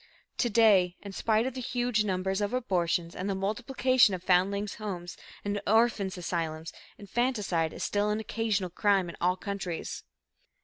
To day, in spite of the huge numbers of abortions and the multiplication of foundlings' homes and orphans' asylums, infanticide is still an occasional crime in all countries.